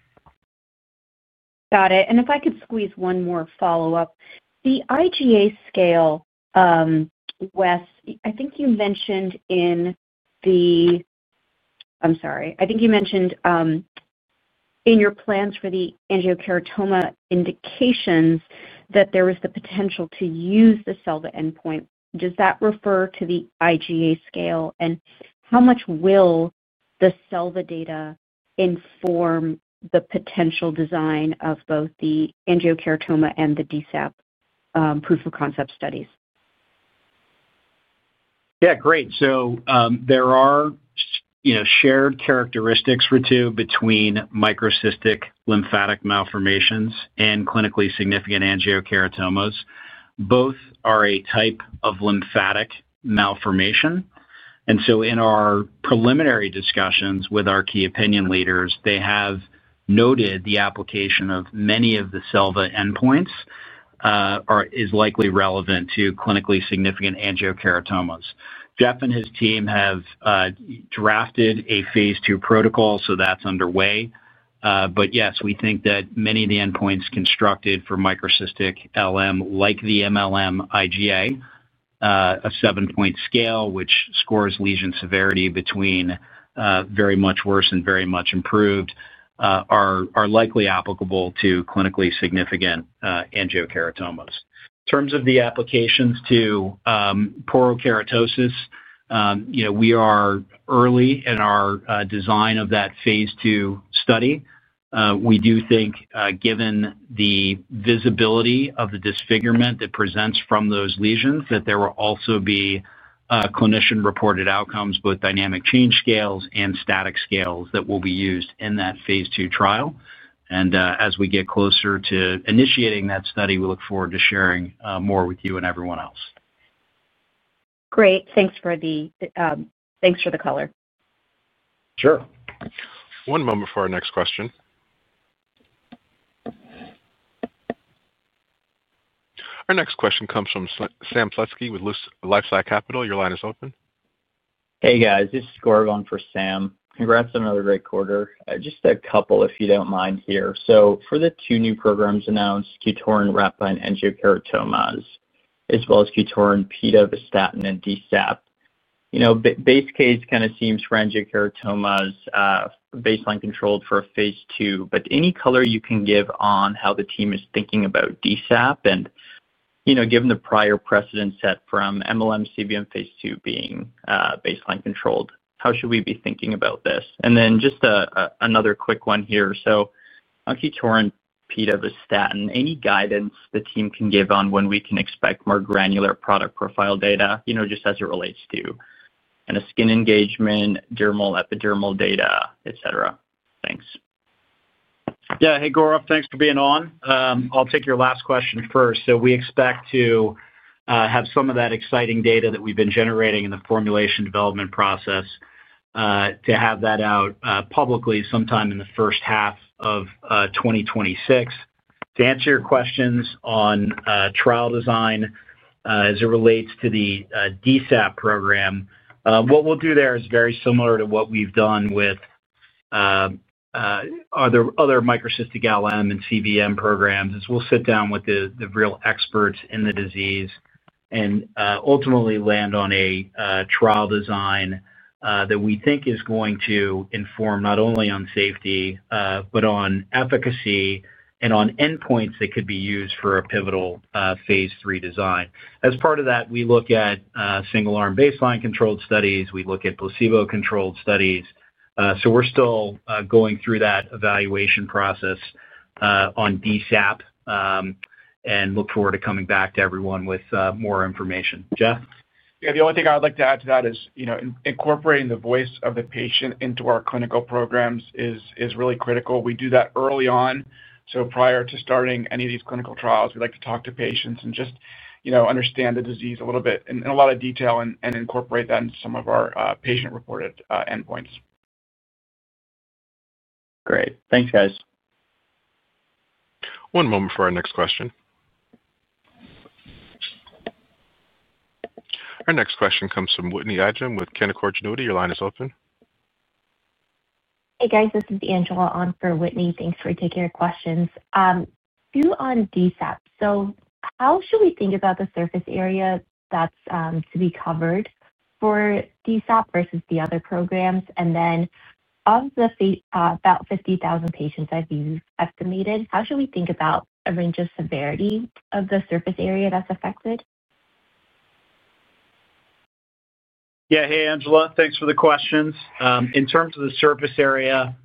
Speaker 7: Got it. If I could squeeze one more follow-up, the IGA scale, Wes, I think you mentioned in the—I'm sorry. I think you mentioned in your plans for the angiocheratoma indications that there was the potential to use the SELVA endpoint. Does that refer to the IGA scale? How much will the SELVA data inform the potential design of both the angiocheratoma and the DSAP proof of concept studies?
Speaker 3: Yeah, great. There are shared characteristics, Ritu, between microcystic lymphatic malformations and clinically significant angiocheratomas. Both are a type of lymphatic malformation. In our preliminary discussions with our key opinion leaders, they have noted the application of many of the SELVA endpoints is likely relevant to clinically significant angiocheratomas. Jeff and his team have drafted a phase two protocol, so that's underway. Yes, we think that many of the endpoints constructed for microcystic LM, like the MLM IGA, a seven-point scale, which scores lesion severity between very much worse and very much improved, are likely applicable to clinically significant angiocheratomas. In terms of the applications to porokeratosis, we are early in our design of that phase two study. We do think, given the visibility of the disfigurement that presents from those lesions, that there will also be clinician-reported outcomes, both dynamic change scales and static scales that will be used in that phase two trial. As we get closer to initiating that study, we look forward to sharing more with you and everyone else.
Speaker 7: Great. Thanks for the color.
Speaker 1: Sure. One moment for our next question. Our next question comes from Sam Pletzky with Lifesize Capital. Your line is open.
Speaker 8: Hey, guys. This is Gorgon for Sam. Congrats on another great quarter. Just a couple, if you don't mind here. For the two new programs announced, Qutoran rapamycin and angiocheratomas, as well as Qutoran pitavastatin and DSAP, base case kind of seems for angiocheratomas baseline controlled for phase two, but any color you can give on how the team is thinking about DSAP and given the prior precedent set from MLM CBM phase two being baseline controlled, how should we be thinking about this? Just another quick one here. On Qutoran pitavastatin, any guidance the team can give on when we can expect more granular product profile data, just as it relates to kind of skin engagement, dermal, epidermal data, etc.?
Speaker 3: Thanks. Yeah. Hey, Goran. Thanks for being on. I'll take your last question first. We expect to have some of that exciting data that we've been generating in the formulation development process to have that out publicly sometime in the first half of 2026. To answer your questions on trial design as it relates to the DSAP program, what we'll do there is very similar to what we've done with other microcystic LM and CBM programs, is we'll sit down with the real experts in the disease and ultimately land on a trial design that we think is going to inform not only on safety, but on efficacy and on endpoints that could be used for a pivotal phase three design. As part of that, we look at single-arm baseline controlled studies. We look at placebo-controlled studies. We're still going through that evaluation process on DSAP and look forward to coming back to everyone with more information. Jeff?
Speaker 4: Yeah. The only thing I would like to add to that is incorporating the voice of the patient into our clinical programs is really critical. We do that early on. Prior to starting any of these clinical trials, we like to talk to patients and just understand the disease a little bit in a lot of detail and incorporate that into some of our patient-reported endpoints.
Speaker 8: Great. Thanks, guys.
Speaker 1: One moment for our next question. Our next question comes from Whitney Adjun with Canaccord Genuity. Your line is open.
Speaker 9: Hey, guys. This is Angela on for Whitney. Thanks for taking our questions. Two on DSAP. How should we think about the surface area that's to be covered for DSAP versus the other programs? Of the about 50,000 patients I've estimated, how should we think about a range of severity of the surface area that's affected?
Speaker 3: Yeah. Hey, Angela. Thanks for the questions. In terms of the surface area,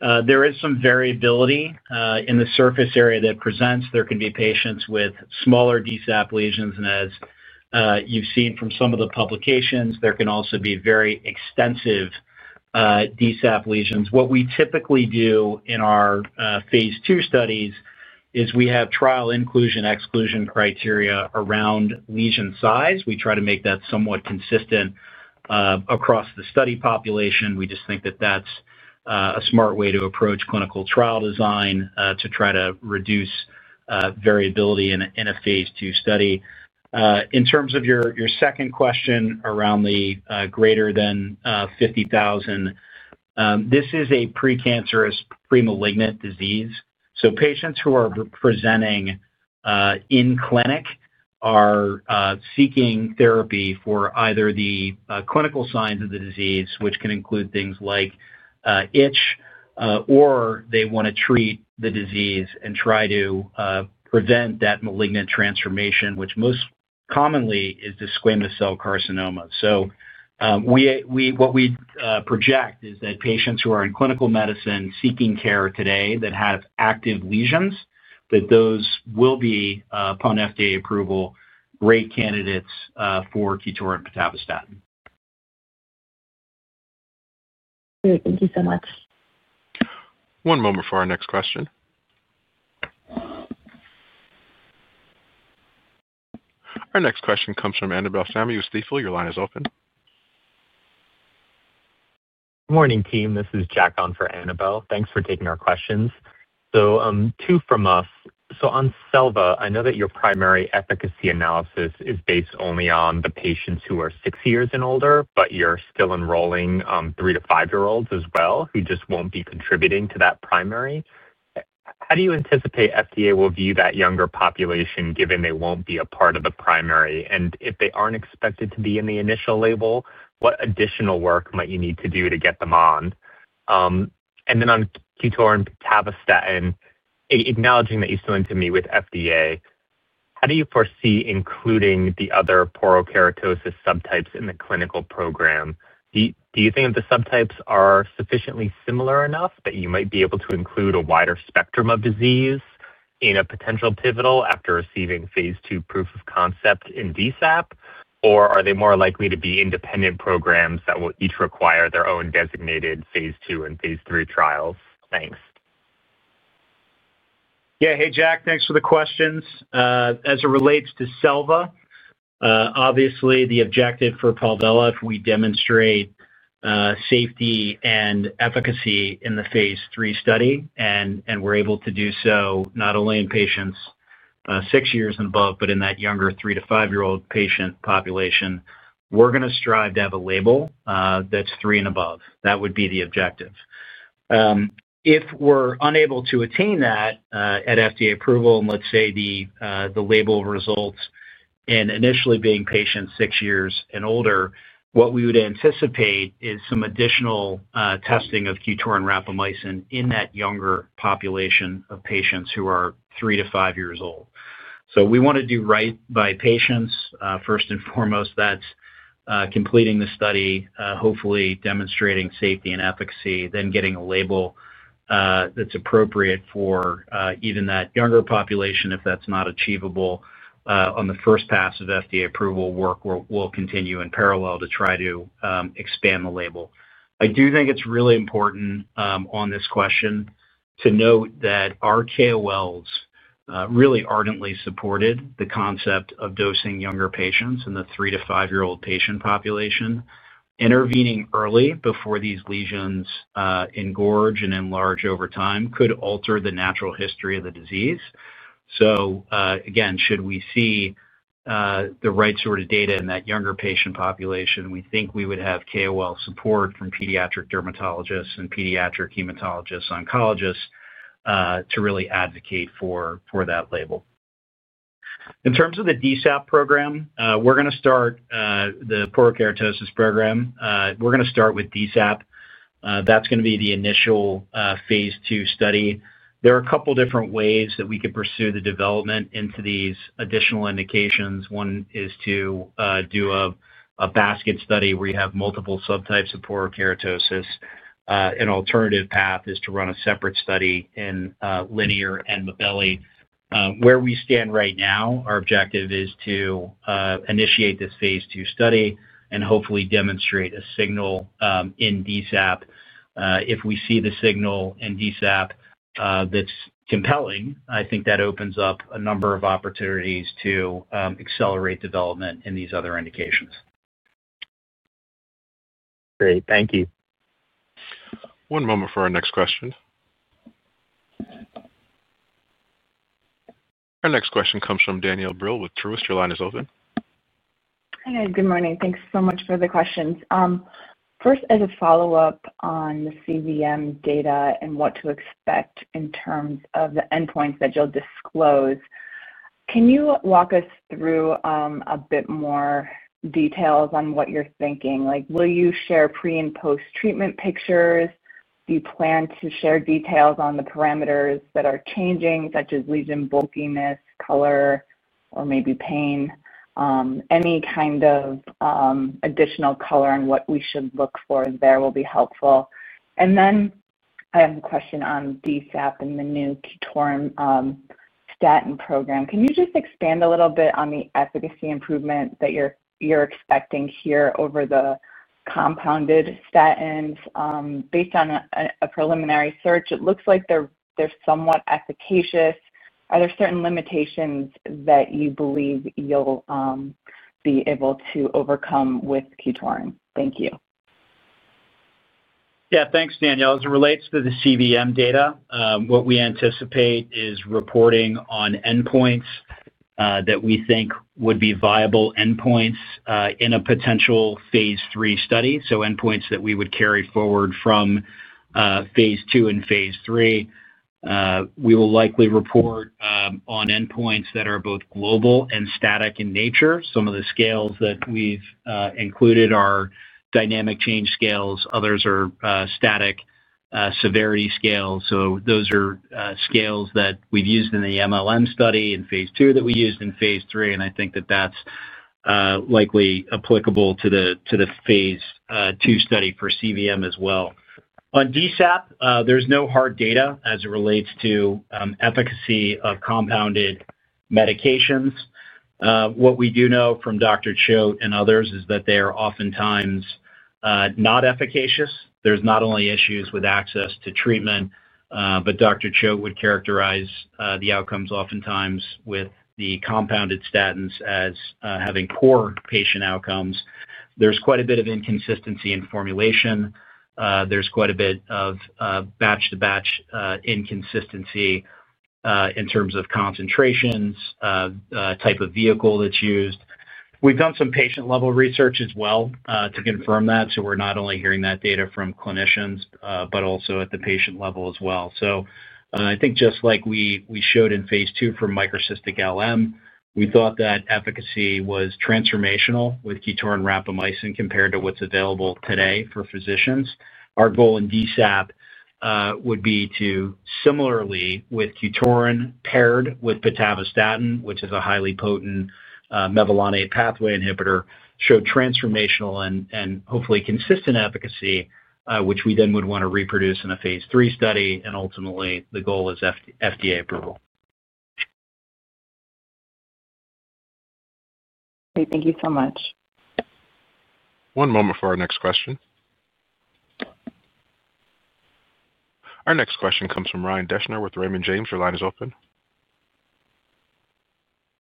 Speaker 3: there is some variability in the surface area that presents. There can be patients with smaller DSAP lesions, and as you've seen from some of the publications, there can also be very extensive DSAP lesions. What we typically do in our phase two studies is we have trial inclusion-exclusion criteria around lesion size. We try to make that somewhat consistent across the study population. We just think that that's a smart way to approach clinical trial design to try to reduce variability in a phase two study. In terms of your second question around the greater than 50,000, this is a precancerous premalignant disease. Patients who are presenting in clinic are seeking therapy for either the clinical signs of the disease, which can include things like itch, or they want to treat the disease and try to prevent that malignant transformation, which most commonly is the squamous cell carcinoma. What we project is that patients who are in clinical medicine seeking care today that have active lesions, that those will be, upon FDA approval, great candidates for Qutoran pitavastatin.
Speaker 9: Great. Thank you so much.
Speaker 1: One moment for our next question. Our next question comes from Annabelle Sammy with Thiefel. Your line is open. Good morning, team.
Speaker 10: This is Jack on for Annabelle. Thanks for taking our questions. Two from us. On SELVA, I know that your primary efficacy analysis is based only on the patients who are six years and older, but you're still enrolling three to five-year-olds as well, who just won't be contributing to that primary. How do you anticipate FDA will view that younger population, given they won't be a part of the primary? If they aren't expected to be in the initial label, what additional work might you need to do to get them on? On Qutoran pitavastatin, acknowledging that you still need to meet with FDA, how do you foresee including the other porokeratosis subtypes in the clinical program? Do you think that the subtypes are sufficiently similar enough that you might be able to include a wider spectrum of disease in a potential pivotal after receiving phase two proof of concept in DSAP? Or are they more likely to be independent programs that will each require their own designated phase two and phase three trials?
Speaker 3: Thanks. Yeah. Hey, Jack. Thanks for the questions. As it relates to SELVA, obviously, the objective for Palvella, if we demonstrate safety and efficacy in the phase three study, and we're able to do so not only in patients six years and above, but in that younger three to five-year-old patient population, we're going to strive to have a label that's three and above. That would be the objective. If we're unable to attain that at FDA approval, and let's say the label results in initially being patients six years and older, what we would anticipate is some additional testing of Qutoran rapamycin in that younger population of patients who are three to five years old. We want to do right by patients. First and foremost, that's completing the study, hopefully demonstrating safety and efficacy, then getting a label that's appropriate for even that younger population, if that's not achievable on the first pass of FDA approval work. We'll continue in parallel to try to expand the label. I do think it's really important on this question to note that our KOLs really ardently supported the concept of dosing younger patients in the three to five-year-old patient population. Intervening early before these lesions engorge and enlarge over time could alter the natural history of the disease. Again, should we see the right sort of data in that younger patient population, we think we would have KOL support from pediatric dermatologists and pediatric hematologists, oncologists to really advocate for that label. In terms of the DSAP program, we're going to start the porokeratosis program. We're going to start with DSAP. That's going to be the initial phase two study. There are a couple of different ways that we could pursue the development into these additional indications. One is to do a basket study where you have multiple subtypes of porokeratosis. An alternative path is to run a separate study in linear and Mibelli. Where we stand right now, our objective is to initiate this phase two study and hopefully demonstrate a signal in DSAP. If we see the signal in DSAP that's compelling, I think that opens up a number of opportunities to accelerate development in these other indications.
Speaker 10: Great. Thank you. One moment for our next question.
Speaker 1: Our next question comes from Danielle Brill with Truist. Your line is open. Hi. Good morning. Thanks so much for the questions.
Speaker 11: First, as a follow-up on the CBM data and what to expect in terms of the endpoints that you'll disclose, can you walk us through a bit more details on what you're thinking? Will you share pre- and post-treatment pictures? Do you plan to share details on the parameters that are changing, such as lesion bulkiness, color, or maybe pain? Any kind of additional color on what we should look for there will be helpful. I have a question on DSAP and the new Qutoran statin program. Can you just expand a little bit on the efficacy improvement that you're expecting here over the compounded statins? Based on a preliminary search, it looks like they're somewhat efficacious. Are there certain limitations that you believe you'll be able to overcome with Qutoran? Thank you.
Speaker 3: Yeah. Thanks, Danielle. As it relates to the CBM data, what we anticipate is reporting on endpoints that we think would be viable endpoints in a potential phase three study. Endpoints that we would carry forward from phase two and phase three. We will likely report on endpoints that are both global and static in nature. Some of the scales that we've included are dynamic change scales. Others are static severity scales. Those are scales that we've used in the MLM study in phase two that we used in phase three. I think that that's likely applicable to the phase two study for CBM as well. On DSAP, there's no hard data as it relates to efficacy of compounded medications. What we do know from Dr. Choate and others is that they are oftentimes not efficacious. There's not only issues with access to treatment, but Dr. Choate would characterize the outcomes oftentimes with the compounded statins as having poor patient outcomes. There is quite a bit of inconsistency in formulation. There is quite a bit of batch-to-batch inconsistency in terms of concentrations, type of vehicle that is used. We have done some patient-level research as well to confirm that. We are not only hearing that data from clinicians, but also at the patient level as well. I think just like we showed in phase two for microcystic LM, we thought that efficacy was transformational with Qutoran rapamycin compared to what is available today for physicians. Our goal in DSAP would be to, similarly with Qutoran paired with pitavastatin, which is a highly potent mevalonate pathway inhibitor, show transformational and hopefully consistent efficacy, which we then would want to reproduce in a phase three study. Ultimately, the goal is FDA approval.
Speaker 11: Okay. Thank you so much.
Speaker 1: One moment for our next question. Our next question comes from Ryan Deschner with Raymond James. Your line is open.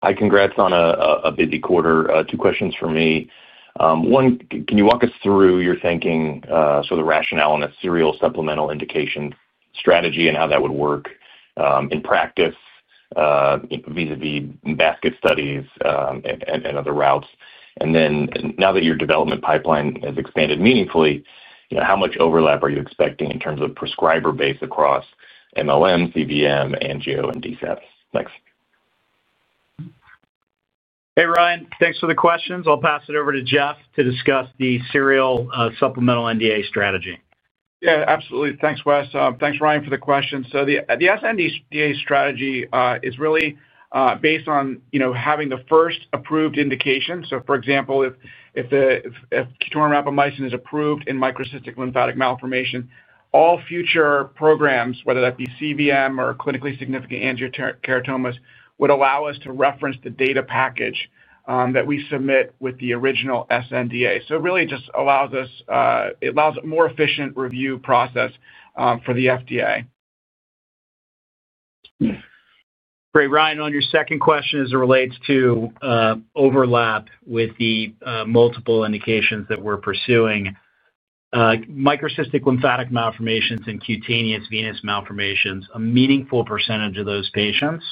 Speaker 12: Hi. Congrats on a busy quarter. Two questions for me. One, can you walk us through your thinking, sort of the rationale on a serial supplemental indication strategy and how that would work in practice vis-à-vis basket studies and other routes? And then, now that your development pipeline has expanded meaningfully, how much overlap are you expecting in terms of prescriber base across MLM, CBM, NGO, and DSAP? Thanks.
Speaker 3: Hey, Ryan. Thanks for the questions. I'll pass it over to Jeff to discuss the serial supplemental NDA strategy.
Speaker 4: Yeah. Absolutely. Thanks, Wes. Thanks, Ryan, for the question. So, the SNDA strategy is really based on having the first approved indication. For example, if Qutoran rapamycin is approved in microcystic lymphatic malformation, all future programs, whether that be CBM or clinically significant angiocheratomas, would allow us to reference the data package that we submit with the original SNDA. It really just allows us a more efficient review process for the FDA. Great. Ryan, on your second question as it relates to overlap with the multiple indications that we're pursuing, microcystic lymphatic malformations and cutaneous venous malformations, a meaningful percentage of those patients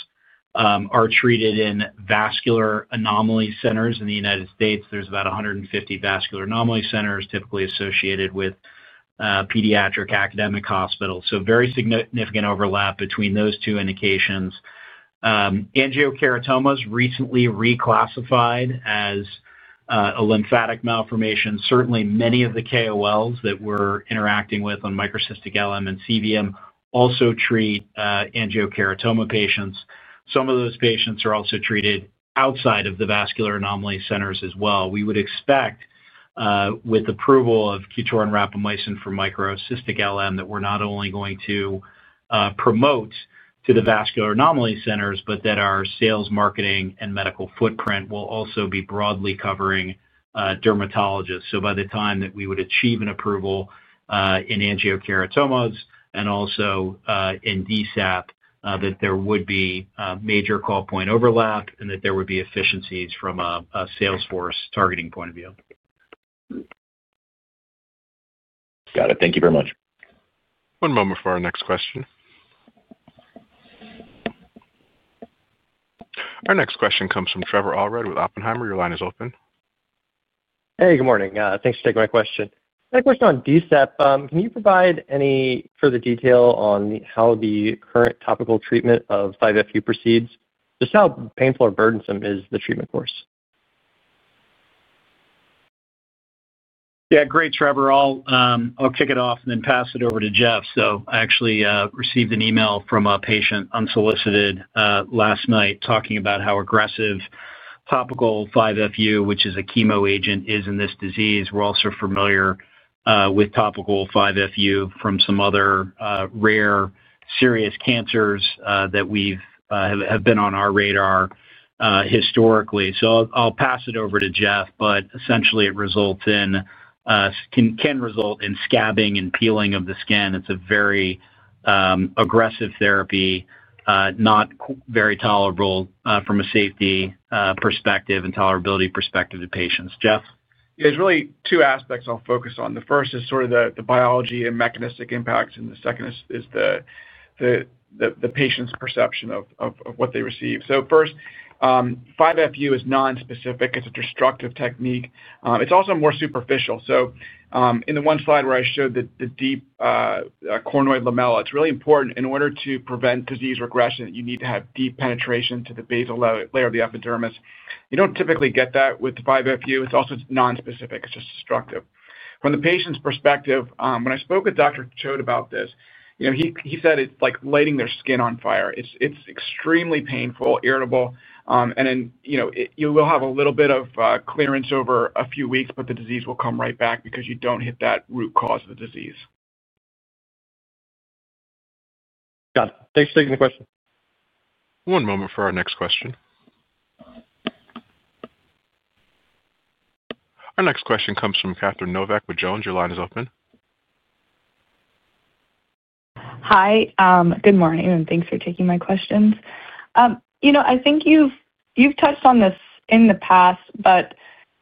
Speaker 4: are treated in vascular anomaly centers in the United States. There are about 150 vascular anomaly centers typically associated with pediatric academic hospitals. Very significant overlap between those two indications. Angiocheratomas were recently reclassified as a lymphatic malformation. Certainly, many of the KOLs that we're interacting with on microcystic LM and CBM also treat angiocheratoma patients. Some of those patients are also treated outside of the vascular anomaly centers as well. We would expect, with approval of Qutoran rapamycin for microcystic LM, that we're not only going to promote to the vascular anomaly centers, but that our sales, marketing, and medical footprint will also be broadly covering dermatologists. By the time that we would achieve an approval in angiocheratomas and also in DSAP, there would be major callpoint overlap and there would be efficiencies from a salesforce targeting point of view.
Speaker 12: Got it. Thank you very much.
Speaker 1: One moment for our next question. Our next question comes from Trevor Allred with Oppenheimer. Your line is open.
Speaker 13: Hey. Good morning. Thanks for taking my question. I have a question on DSAP. Can you provide any further detail on how the current topical treatment of 5FU proceeds? Just how painful or burdensome is the treatment course?
Speaker 3: Yeah. Great, Trevor. I'll kick it off and then pass it over to Jeff. So, I actually received an email from a patient unsolicited last night talking about how aggressive topical 5FU, which is a chemo agent, is in this disease. We're also familiar with topical 5FU from some other rare serious cancers that have been on our radar historically. I'll pass it over to Jeff, but essentially, it can result in scabbing and peeling of the skin. It's a very aggressive therapy, not very tolerable from a safety perspective and tolerability perspective to patients. Jeff?
Speaker 4: Yeah. There's really two aspects I'll focus on. The first is sort of the biology and mechanistic impacts. The second is the patient's perception of what they receive. First, 5FU is non-specific. It's a destructive technique. It's also more superficial. In the one slide where I showed the deep cornoid lamella, it's really important in order to prevent disease regression that you need to have deep penetration to the basal layer of the epidermis. You don't typically get that with 5FU. It's also non-specific. It's just destructive. From the patient's perspective, when I spoke with Dr. Choate about this, he said it's like lighting their skin on fire. It's extremely painful, irritable. You will have a little bit of clearance over a few weeks, but the disease will come right back because you don't hit that root cause of the disease.
Speaker 13: Got it. Thanks for taking the question.
Speaker 1: One moment for our next question. Our next question comes from Catherine Novack with Jones Healthcare. Your line is open.
Speaker 14: Hi. Good morning. Thanks for taking my questions. I think you've touched on this in the past, but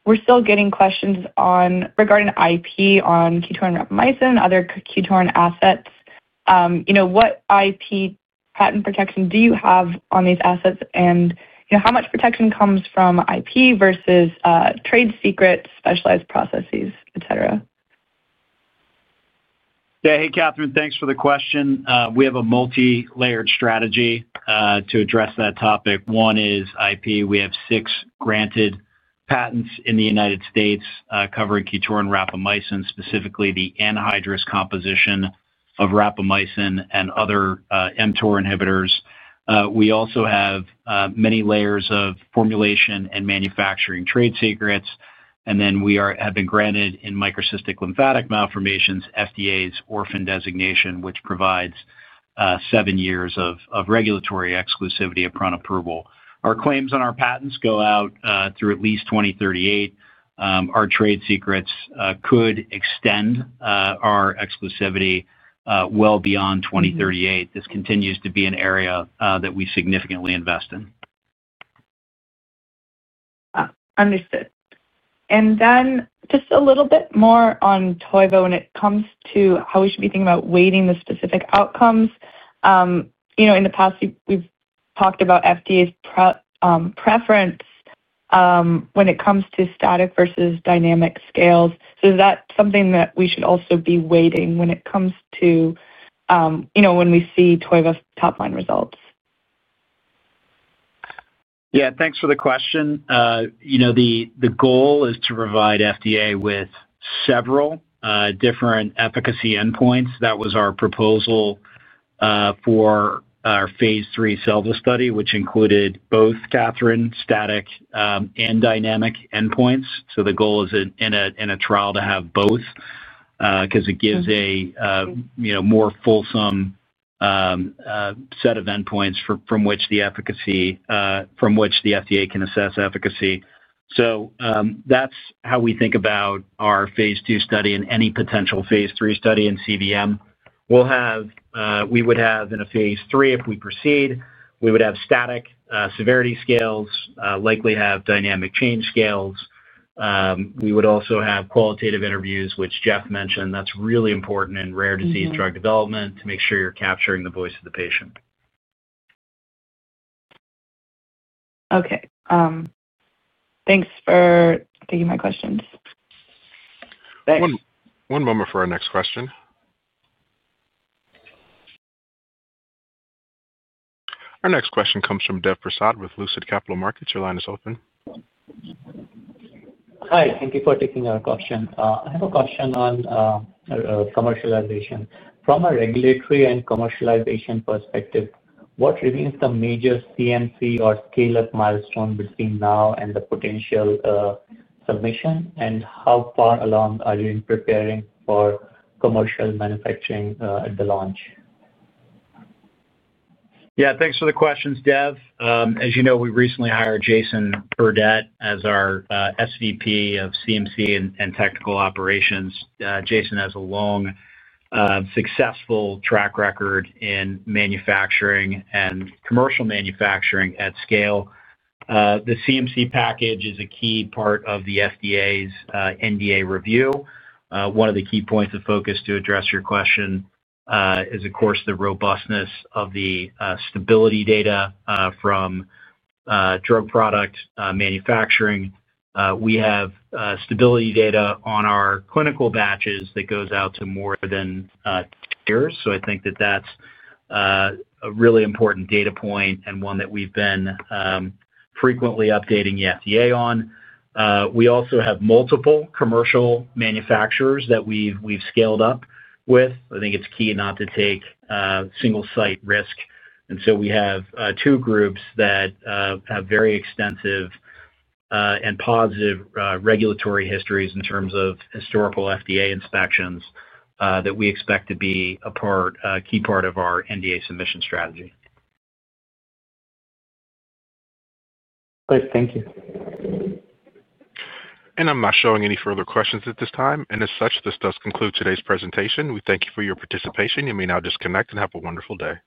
Speaker 14: we're still getting questions regarding IP on Qutoran rapamycin and other Qutoran assets. What IP patent protection do you have on these assets? And how much protection comes from IP versus trade secrets, specialized processes, etc.?
Speaker 3: Yeah. Hey, Catherine. Thanks for the question. We have a multi-layered strategy to address that topic. One is IP. We have six granted patents in the United States covering Qutoran rapamycin, specifically the anhydrous composition of rapamycin and other mTOR inhibitors. We also have many layers of formulation and manufacturing trade secrets. Then, we have been granted in microcystic lymphatic malformations, FDA's orphan designation, which provides seven years of regulatory exclusivity upon approval. Our claims on our patents go out through at least 2038. Our trade secrets could extend our exclusivity well beyond 2038. This continues to be an area that we significantly invest in. Understood. And then, just a little bit more on TOIVA when it comes to how we should be thinking about weighting the specific outcomes. In the past, we've talked about FDA's preference when it comes to static versus dynamic scales. Is that something that we should also be weighting when it comes to when we see TOIVA's top-line results? Yeah. Thanks for the question. The goal is to provide FDA with several different efficacy endpoints. That was our proposal for our phase 3 SELVA study, which included both static and dynamic endpoints. The goal is in a trial to have both because it gives a more fulsome set of endpoints from which the FDA can assess efficacy. That is how we think about our phase 2 study and any potential phase 3 study in CVM. We would have in a phase three, if we proceed, we would have static severity scales, likely have dynamic change scales. We would also have qualitative interviews, which Jeff mentioned. That's really important in rare disease drug development to make sure you're capturing the voice of the patient.
Speaker 14: Okay. Thanks for taking my questions.
Speaker 3: Thanks.
Speaker 1: One moment for our next question. Our next question comes from Dev Prasad with Lucid Capital Markets. Your line is open.
Speaker 15: Hi. Thank you for taking our question. I have a question on commercialization. From a regulatory and commercialization perspective, what remains the major CMC or scale-up milestone between now and the potential submission? And how far along are you in preparing for commercial manufacturing at the launch?
Speaker 3: Yeah. Thanks for the questions, Dev. As you know, we recently hired Jason Burdette as our SVP of CMC and technical operations. Jason has a long, successful track record in manufacturing and commercial manufacturing at scale. The CMC package is a key part of the FDA's NDA review. One of the key points of focus to address your question is, of course, the robustness of the stability data from drug product manufacturing. We have stability data on our clinical batches that goes out to more than 10 years. I think that that's a really important data point and one that we've been frequently updating the FDA on. We also have multiple commercial manufacturers that we've scaled up with. I think it's key not to take single-site risk. We have two groups that have very extensive and positive regulatory histories in terms of historical FDA inspections that we expect to be a key part of our NDA submission strategy.
Speaker 15: Great. Thank you.
Speaker 1: I'm not showing any further questions at this time. As such, this does conclude today's presentation. We thank you for your participation. You may now disconnect and have a wonderful day.